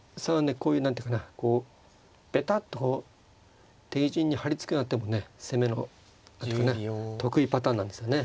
こういう何ていうかなこうべたっとこう敵陣に張り付くような手もね攻めの何ていうかね得意パターンなんですよね。